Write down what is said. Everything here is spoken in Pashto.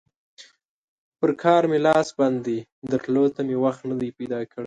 پر کار مې لاس بند دی؛ درتلو ته مې وخت نه دی پیدا کړی.